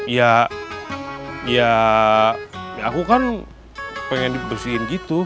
ya ya aku kan pengen dibersihin gitu